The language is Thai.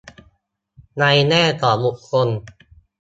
ในแง่ของบุคคล